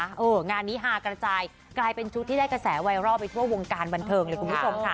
เอองานนี้ฮากระจายกลายเป็นชุดที่ได้กระแสไวรัลไปทั่ววงการบันเทิงเลยคุณผู้ชมค่ะ